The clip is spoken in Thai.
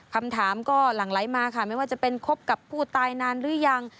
คำถามก็หลั่งไหลมาค่ะไม่ว่าจะเป็นคบกับผู้ตายนานหรือยัง